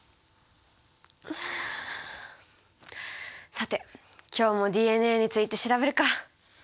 さて今日もＤＮＡについて調べるか。